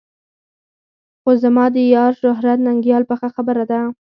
خو زما د یار شهرت ننګیال پخه خبره ده.